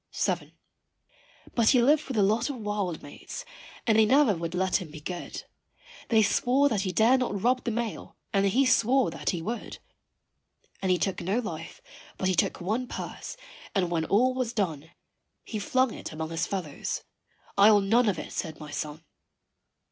VII. But he lived with a lot of wild mates, and they never would let him be good; They swore that he dare not rob the mail, and he swore that he would: And he took no life, but he took one purse, and when all was done He flung it among his fellows I'll none of it, said my son.